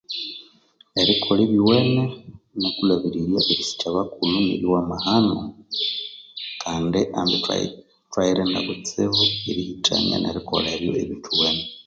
Erikolha ebyowene nakulhabirirya erisikya abakulhu neryowa amahano kandi ambi ithwayirinda kutsibu erihithania nerikolha ebyo ebithiwene.